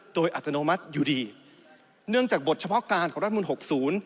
โดยอัตโนมัติอยู่ดีเนื่องจากบทเฉพาะการของรัฐมนตหกศูนย์